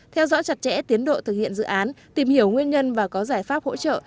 theo dõi chặt chẽ tiến độ thực hiện dự án tìm hiểu nguyên nhân và có giải pháp hỗ trợ